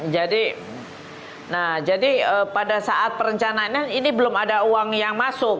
jadi nah jadi pada saat perencanaannya ini belum ada uang yang masuk